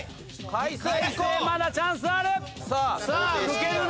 まだチャンスある。